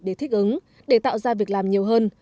để thích ứng để tạo ra việc làm nhiều hơn